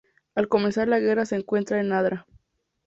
Al comenzar la Guerra se encuentra en Adra.